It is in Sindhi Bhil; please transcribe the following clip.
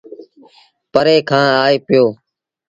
پري کآݩ آئي پيو۔